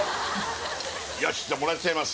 よしじゃあもらっちゃいます・